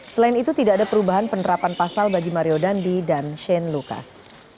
selain itu tidak ada perubahan penerapan pasal bagi mario dandi dan shane lucas